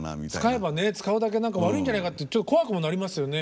使えば使うだけ悪いんじゃないかってちょっと怖くもなりますよね。